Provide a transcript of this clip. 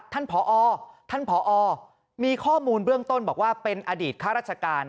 ท่านผอท่านผอมีข้อมูลเบื้องต้นบอกว่าเป็นอดีตข้าราชการ